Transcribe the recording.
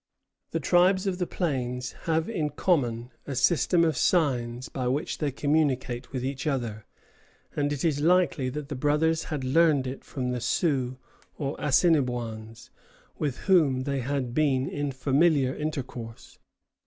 The tribes of the plains have in common a system of signs by which they communicate with each other, and it is likely that the brothers had learned it from the Sioux or Assinniboins, with whom they had been in familiar intercourse.